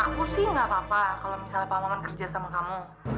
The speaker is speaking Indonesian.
aku sih gak apa apa kalau misalnya pak maman kerja sama kamu